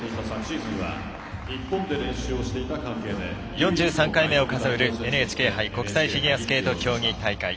４３回目を飾るＮＨＫ杯国際フィギュアスケート競技大会。